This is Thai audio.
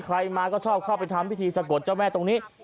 ใครมาก็ชอบเข้าไปทำพิธีสะกดเจ้าแม่ตรงนี้